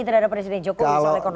terhadap presiden jokowi soal ekonomi